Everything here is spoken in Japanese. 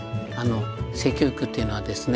性教育っていうのはですね